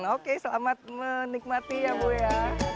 oke selamat menikmati ya bu ya